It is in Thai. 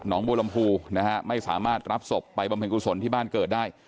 บัวลำพูนะฮะไม่สามารถรับศพไปบำเพ็ญกุศลที่บ้านเกิดได้